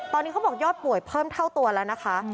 ตอนนี้เขาบอกยอดป่วยเพิ่มเท่าตัวแล้วนะคะ